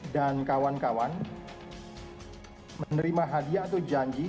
dan kawan kawan menerima hadiah atau janji